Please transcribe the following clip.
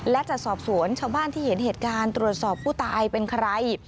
และจะสอบสวนชาวบ้านที่เห็นเหตุการณ์ตรวจสอบผู้ตายเป็นใคร